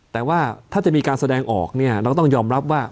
แต่ว่าถ้าจะมีการแสดงออกเนี่ยเราก็ต้องยอมรับว่า